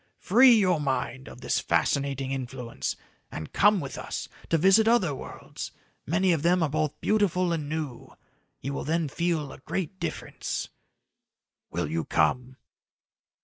Free your mind of this fascinating influence and come with us to visit other worlds, many of them are both beautiful and new. You will then feel a great difference. "Will you come?"